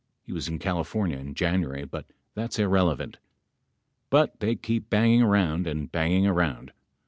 He was in California in January but that is irrele vant. But they keep banging around and banging around.